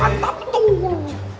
mantap mantap betul